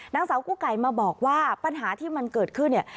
นางสาวกู้ไก่มาบอกว่าปัญหาที่มันเกิดขึ้นเนี่ย